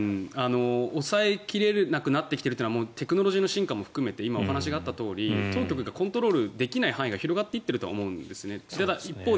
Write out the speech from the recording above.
抑え切れなくなってきているというのはテクノロジーの進化も含めて今お話にあったように当局がコントロールできない範囲が広がっていっていると思うんですね。